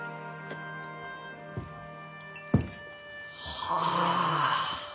はあ。